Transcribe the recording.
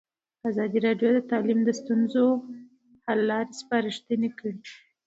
ازادي راډیو د تعلیم د ستونزو حل لارې سپارښتنې کړي.